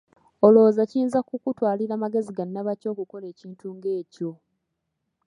Olowooza kiyinza kukutwalira magezi ga nnabaki okukola ekinti ng'ekyo?